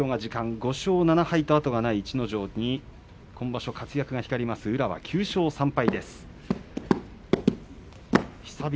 ５勝７敗と後がない逸ノ城に今場所活躍が目立つ宇良は９勝３敗。